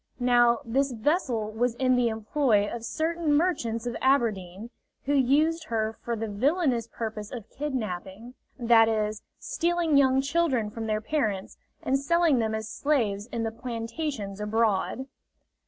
Now, this vessel was in the employ of certain merchants of Aberdeen, who used her for the villanous purpose of kidnapping that is, stealing young children from their parents and selling them as slaves in the plantations abroad.